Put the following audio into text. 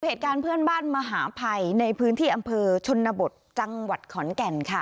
เหตุการณ์เพื่อนบ้านมหาภัยในพื้นที่อำเภอชนบทจังหวัดขอนแก่นค่ะ